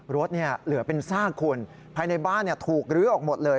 เหลือเป็นซากคุณภายในบ้านถูกลื้อออกหมดเลย